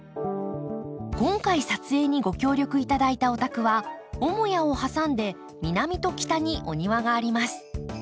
今回撮影にご協力頂いたお宅は母屋を挟んで南と北にお庭があります。